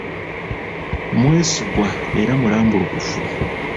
Mwesigwa era mulambulukufu.